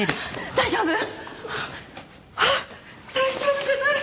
大丈夫じゃない！